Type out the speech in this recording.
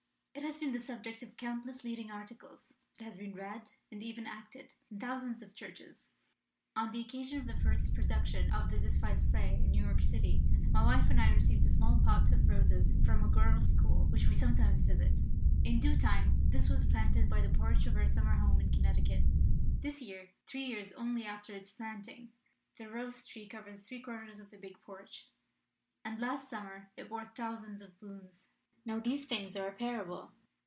It has been the subject of countless leading articles; it has been read, and even acted, in thousands of churches. On the occasion of the first production of the despised play in New York City, my wife and I received a small pot of roses from a girls' school which we sometimes visit. In due time this was planted by the porch of our summer home in Connecticut. This year three years only after its planting the rose tree covers three quarters of the big porch, and last summer it bore thousands of blooms. Now these things are a parable!